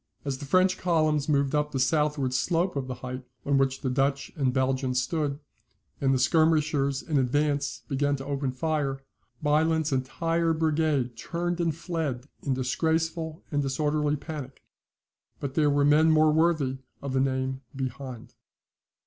As the French columns moved up the southward slope of the height on which the Dutch and Belgians stood, and the skirmishers in advance began to open their fire, Bylandt's entire brigade turned and fled in disgraceful and disorderly panic; but there were men more worthy of the name behind.